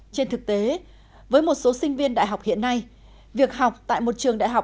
trên thực tế với một số sinh viên đại học hiện nay việc học tại một trường đại học